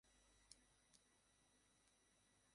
আমার সাথে কথা বলার সময় সর্বদাই আপনার দ্বিতীয় ফোন আসে।